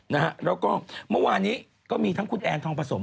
นะฮะแล้วก็เมื่อวานนี้ก็มีทั้งคุณแอนทองผสม